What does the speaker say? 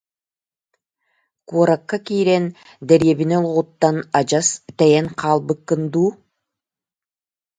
Куоракка киирэн дэриэбинэ олоҕуттан адьас тэйэн хаалбыккын дуу